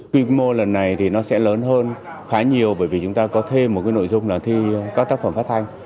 quy mô lần này thì nó sẽ lớn hơn khá nhiều bởi vì chúng ta có thêm một nội dung là thi các tác phẩm phát hành